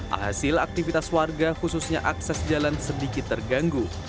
alhasil aktivitas warga khususnya akses jalan sedikit terganggu